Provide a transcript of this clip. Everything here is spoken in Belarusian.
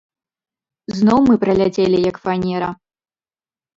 Зноў мы праляцелі, як фанера.